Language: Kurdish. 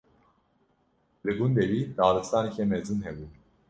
Li gundê wî daristaneke mezin hebû.